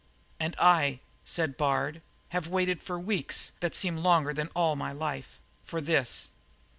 "And I," said Bard, "have waited a few weeks that seem longer than all my life, for this!"